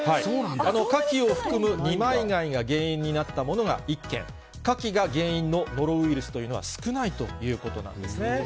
カキを含む二枚貝が原因になったものが１件、カキが原因のノロウイルスというのは少ないということなんですね。